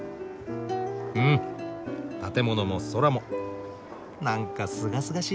うん建物も空もなんかすがすがし！